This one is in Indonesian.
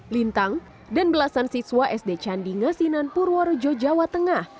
lintang dan belasan siswa sd candi ngasinan purworejo jawa tengah